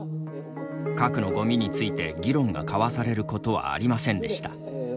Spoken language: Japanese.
核のごみについて議論が交わされることはありませんでした。